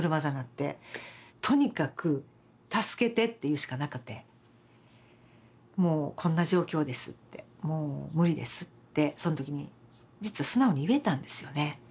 とにかく助けてって言うしかなかってもうこんな状況ですってもう無理ですってそん時に実は素直に言えたんですよね。